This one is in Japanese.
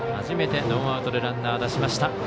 初めてノーアウトでランナー出しました。